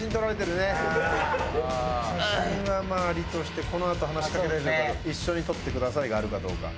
写真はありとしてこのあと話しかけられるか「一緒に撮ってください」があるかどうか。